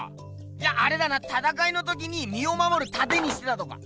いやあれだなたたかいのときにみをまもるたてにしてたとか？